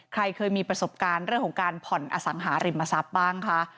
ใครเคยมีประสบการณ์เรื่องของการผ่อนอสังหาริมทรัพย์บ้างคะ